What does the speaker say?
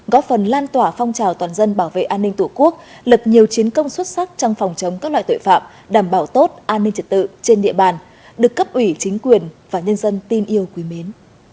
góp phần lan tỏa phong trào toàn dân bảo vệ an ninh tổ quốc lập nhiều chiến công xuất sắc trong phòng chống các loại tội phạm đảm bảo tốt an ninh trật tự trên địa bàn được cấp ủy chính quyền và nhân dân tin yêu quý mến